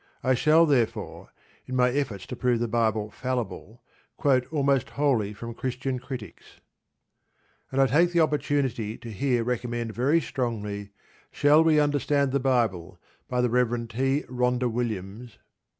I shall therefore, in my effort to prove the Bible fallible, quote almost wholly from Christian critics. And I take the opportunity to here recommend very strongly Shall We Understand the Bible? by the Rev. T. Rhondda Williams.